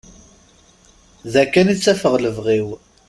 Da kan i ttafeɣ lebɣi-w.